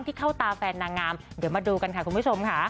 ที่เข้าตาแฟนนางงามเดี๋ยวมาดูกันค่ะคุณผู้ชมค่ะ